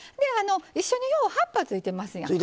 一緒によう葉っぱついてますやんね。